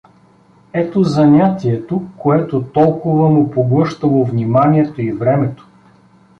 Ето занятието, което толкова му поглъщало вниманието и времето!